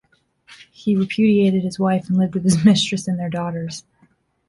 He repudiated his wife and lived with his mistress and their daughters.